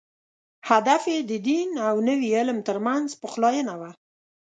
هدف یې د دین او نوي علم تر منځ پخلاینه وه.